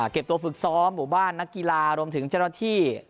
เก็บตัวฝึกซ้อมหมู่บ้านนักกีฬารวมถึงเจ้าหน้าที่